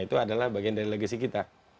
itu adalah bagian dari legasi kita